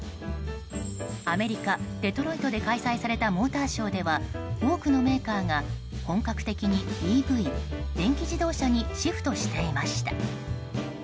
アメリカ・デトロイトで開催されたモーターショーでは多くのメーカーが本格的にＥＶ・電気自動車にシフトしていました。